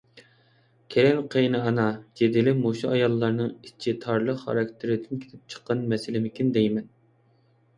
كېلىن-قېيىنئانا جېدىلى مۇشۇ ئاياللارنىڭ ئىچى تارلىق خاراكتېرىدىن كېلىپ چىققان مەسىلىمىكىن دەيمەن.